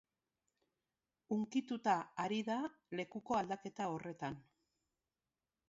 Hunkituta ari da lekuko aldaketa horretan.